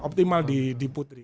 optimal di putri